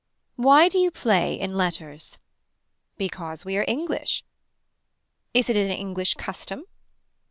Why do you play in letters. Because we are English. Is it an English custom.